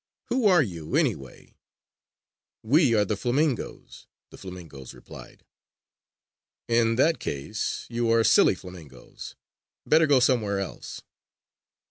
Who are you, anyway?" "We are the flamingoes," the flamingoes replied. "In that case you are silly flamingoes! Better go somewhere else!"